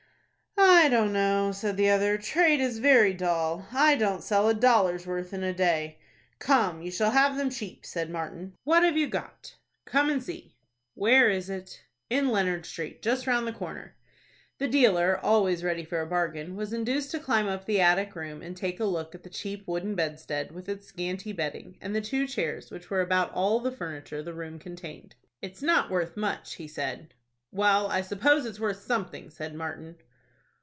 "I don't know," said the other. "Trade is very dull. I don't sell a dollar's worth in a day." "Come, you shall have them cheap," said Martin. "What have you got?" "Come and see." "Where is it?" "In Leonard Street, just round the corner." The dealer, always ready for a bargain, was induced to climb up to the attic room, and take a look at the cheap wooden bedstead, with its scanty bedding, and the two chairs, which were about all the furniture the room contained. "It's not worth much," he said. "Well, I suppose it's worth something," said Martin.